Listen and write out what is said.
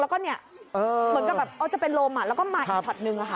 แล้วก็เหมือนกับจะเป็นโรหมแล้วก็มาอีกช็อตหนึ่ง